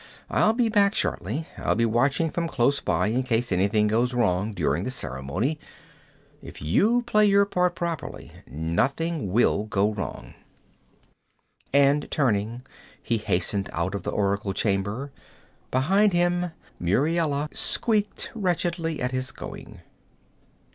I'll be back shortly. I'll be watching from close by in case anything goes wrong during the ceremony; but if you play your part properly, nothing will go wrong.' And turning, he hastened out of the oracle chamber; behind him Muriela squeaked wretchedly at his going.